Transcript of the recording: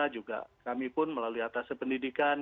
juga kami pun melalui atas pendidikan